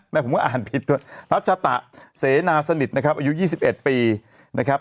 ผมก็อ่านผิดด้วยรัชตะเสนาสนิทนะครับอายุ๒๑ปีนะครับ